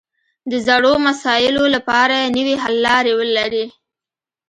د زړو مسایلو لپاره نوې حل لارې ولري